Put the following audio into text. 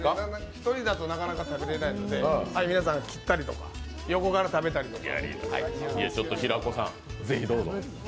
１人だとなかなか食べれないので皆さん切ったりとか、横から食べたりとか。